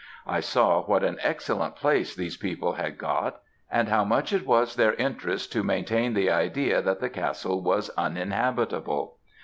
I saw what an excellent place these people had got, and how much it was their interest to maintain the idea that the castle was uninhabitable.